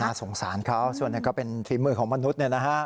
น่าสงสารเขาส่วนนี้ก็เป็นธีมมือของมนุษย์